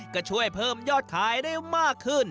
ก็ช่วยเพิ่มยอดขายได้มากขึ้น